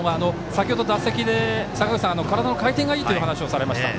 先ほど打席で体の回転がいいという話を去れました。